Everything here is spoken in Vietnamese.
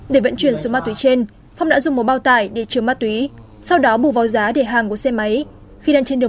để vận chuyển số ma túy trên phong đã dùng một bao tải để chứa ma túy sau đó bù vào giá để hàng của xe máy